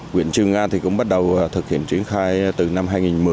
quyện trương nga cũng bắt đầu thực hiện triển khai từ năm hai nghìn một mươi